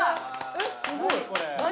えっすごい何？